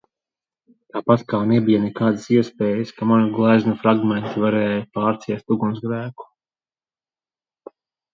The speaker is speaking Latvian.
Tāpat kā nebija nekādas iespējas, ka manu gleznu fragmenti varēja pārciest ugunsgrēku?